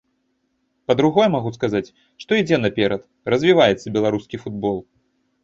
Па-другое, магу сказаць, што ідзе наперад, развіваецца беларускі футбол.